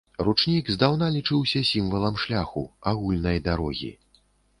Ручнік здаўна лічыўся сімвалам шляху, агульнай дарогі.